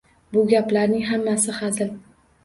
Bu gaplarning hammasi hazil.